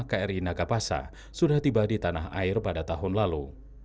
kri nagapasa sudah tiba di tanah air pada tahun lalu